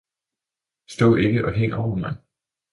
stå ikke og hæng over mig!